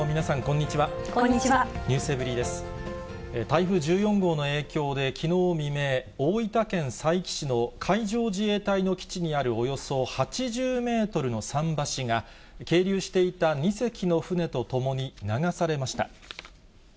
台風１４号の影響で、きのう未明、大分県佐伯市の海上自衛隊の基地にあるおよそ８０メートルの桟橋が、係留していた２隻の船とともに流されました。